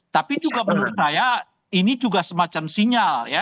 tapi juga menurut saya ini juga semacam sinyal ya